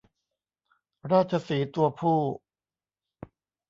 ราชสีห์ตัวผู้